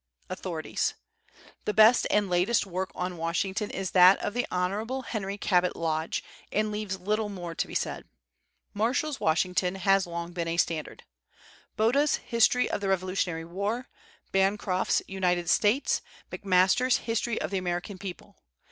AUTHORITIES. The best and latest work on Washington is that of the Hon. Henry Cabot Lodge, and leaves little more to be said; Marshall's Washington has long been a standard; Botta's History of the Revolutionary War; Bancroft's United States; McMaster's History of the American People.